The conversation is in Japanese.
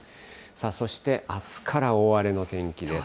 そしてあすから大荒れの天気です。